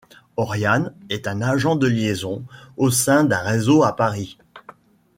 Oriane est agent de liaison au sein d'un réseau à Paris.